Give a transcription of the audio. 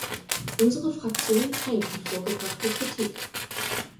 Unsere Fraktion teilt die vorgebrachte Kritik.